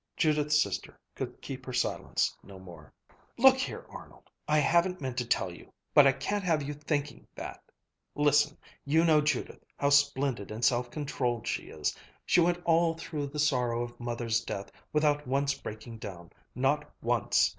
Judith's sister could keep her silence no more. "Look here, Arnold, I haven't meant to tell you, but I can't have you thinking that. Listen! You know Judith, how splendid and self controlled she is. She went all through the sorrow of Mother's death without once breaking down, not once.